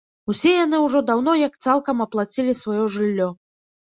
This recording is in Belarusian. Усе яны ўжо даўно як цалкам аплацілі сваё жыллё.